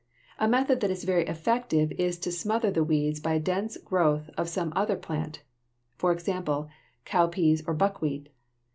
A method that is very effective is to smother the weeds by a dense growth of some other plant, for example, cowpeas or buckwheat.